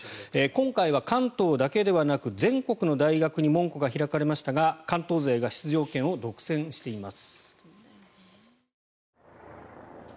今回は関東だけではなく全国の大学に門戸が開かれましたが関東勢が出場権を独占しています。